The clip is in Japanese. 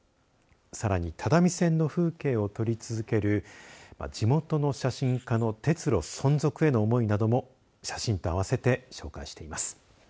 さらに只見線の風景を撮り続ける地元の写真家の鉄路存続への思いなども写真とあわせて紹介しています。